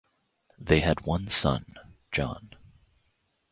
They had one son, John.